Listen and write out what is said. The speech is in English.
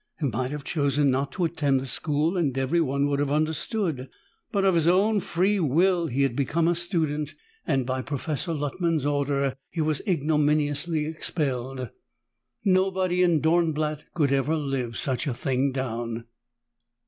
He might have chosen not to attend the school and everyone would have understood. But of his own free will he had become a student, and by Professor Luttman's order he was ignominiously expelled. Nobody in Dornblatt could ever live such a thing down.